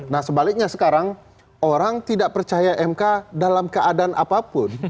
nah sebaliknya sekarang orang tidak percaya mk dalam keadaan apapun